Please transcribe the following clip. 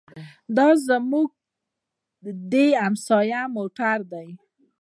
دا زموږ د همسایه موټر دی.